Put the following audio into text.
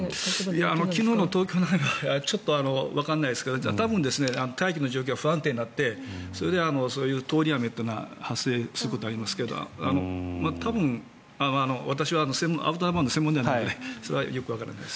昨日の東京の雨はちょっとわからないですけど多分、大気の状況が不安定になってそれでそういう通り雨というのが発生することはありますが多分、私はアウターバンドの専門ではないのでそれはよくわからないです。